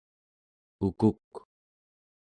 ukuk